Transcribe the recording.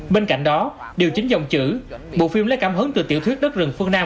bên cạnh đó điều chính dòng chữ bộ phim lấy cảm hứng từ tiểu thuyết đất rừng phương nam